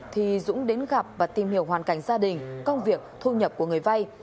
thì dũng đến gặp và tìm hiểu hoàn cảnh gia đình công việc thu nhập của người vay